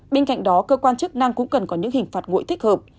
bên cạnh đó cơ quan chức năng cũng cần có những hình phạt nguội thích hợp